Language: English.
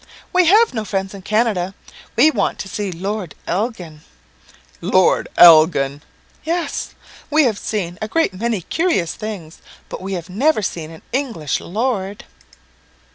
"We have no friends in Canada. We want to see Lord Elgin." "Lord Elgin!" "Yes. We have seen a great many curious things, but we never saw an English lord."